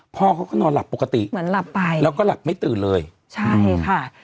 พ่อเขาก็นอนหลับปกติเหมือนหลับไปแล้วก็หลับไม่ตื่นเลยใช่ค่ะ